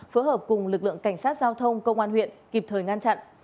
phối hợp cùng lực lượng cảnh sát giao thông công an huyện kịp thời ngăn chặn